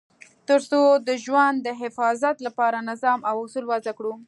تر څو د ژوند د حفاظت لپاره نظام او اصول وضع کړو.